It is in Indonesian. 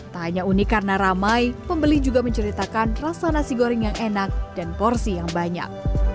tak hanya unik karena ramai pembeli juga menceritakan rasa nasi goreng yang enak dan porsi yang banyak